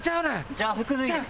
じゃあ服脱いで。